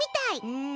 うん。